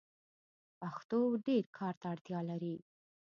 پښتو ډير کار ته اړتیا لري.